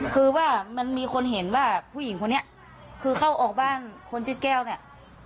คือว่ามันมีคนเห็นว่าผู้หญิงคนนี้คือเข้าออกบ้านคนชื่อแก้วเนี่ย